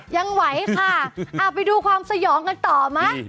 ยังไหวค่ะไปดูความสยองกันต่อไหม